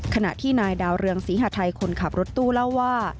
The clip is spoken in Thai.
ขณะที่นายดาวเรืองศรีหาทัยคนขับรถตู้เล่าว่า